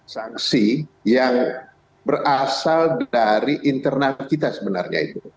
sanksi yang berasal dari internal kita sebenarnya itu